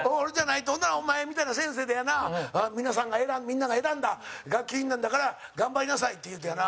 ほんならお前みたいな先生でやな「みんなが選んだ学級委員なんだから頑張りなさい」って言うてやな。